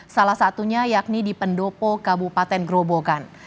salah satunya yakni di pendopo kabupaten gerobogan